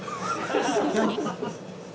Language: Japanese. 「何？」